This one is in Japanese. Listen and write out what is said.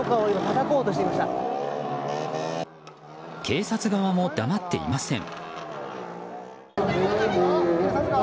警察側も黙っていません。